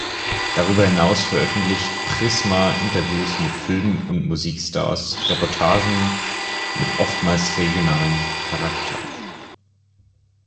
Darüber hinaus veröffentlicht Prisma Interviews mit Film- und Musikstars, Reportagen mit oftmals regionalem Charakter.